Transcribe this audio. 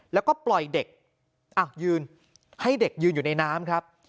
แล้วก็ปล่อยเด็กยืนให้เด็กยืนอยู่ในน้ำครับ